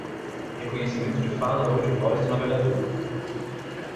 Reconhecimento de fala ou de voz do navegador!